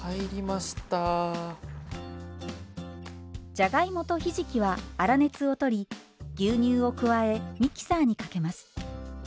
じゃがいもとひじきは粗熱をとり牛乳を加えミキサーにかけます。